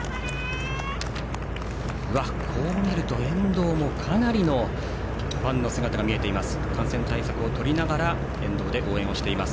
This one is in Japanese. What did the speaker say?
こう見ると、沿道もかなりのファンの姿が見えています。